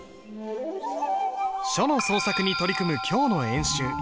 書の創作に取り組む今日の演習。